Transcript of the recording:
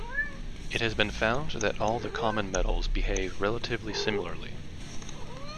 It has been found that all the common metals behave relatively similarly.